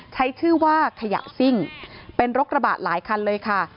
ใช้ชื่อว่าขยะซิ่งเป็นรถกระบะหลายคันเลยค่ะ